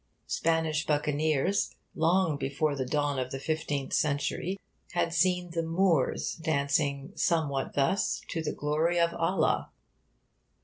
Spanish buccaneers, long before the dawn of the fifteenth century, had seen the Moors dancing somewhat thus to the glory of Allah.